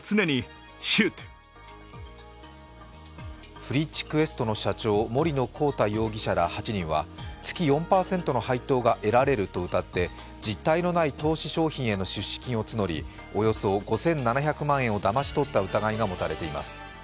ＦＲｉｃｈＱｕｅｓｔの社長、森野広太容疑者ら８人は月４％の配当が得られるとうたって実態のない投資商品への出資金を募りおよそ５７００万円をだまし取った疑いが持たれています。